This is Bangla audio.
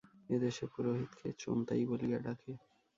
এ দেশে পুরোহিতকে চোন্তাই বলিয়া থাকে।